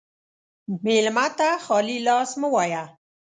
مېلمه ته خالي لاس مه وایه.